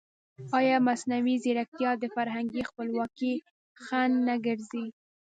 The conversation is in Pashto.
ایا مصنوعي ځیرکتیا د فرهنګي خپلواکۍ خنډ نه ګرځي؟